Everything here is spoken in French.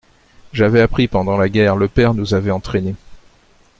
J’avais appris pendant la guerre. Le père nous avait entraînés